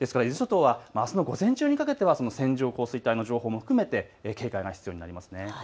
あすの午前中にかけては線状降水帯の情報も含めて警戒が必要になります。